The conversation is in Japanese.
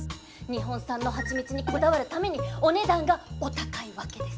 日本産の蜂蜜にこだわるためにお値段がお高いわけです。